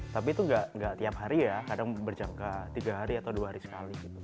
tapi itu enggak tiap hari ya kadang berjangka tiga hari atau dua hari sekali